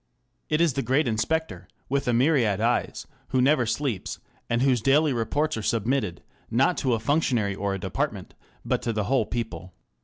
It is the great inspector, with a myriad eyes, who never sleeps, and whose daily reports are submitted, not to a functionary or a department, but to the whole people.